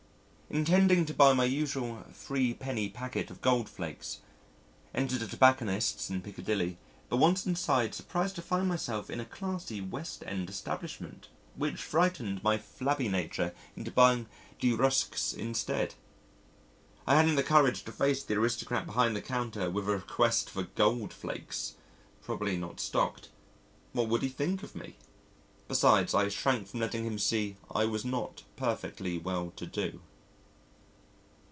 Intending to buy my usual 3d. packet of Goldflakes, entered a tobacconist's in Piccadilly, but once inside surprised to find myself in a classy west end establishment, which frightened my flabby nature into buying De Reszke's instead. I hadn't the courage to face the aristocrat behind the counter with a request for Goldflakes probably not stocked. What would he think of me? Besides, I shrank from letting him see I was not perfectly well to do.